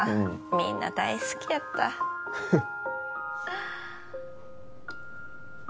みんな大好きやったフフッ